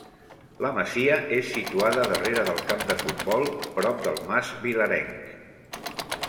La masia és situada darrere del camp de futbol, prop del mas Vilarenc.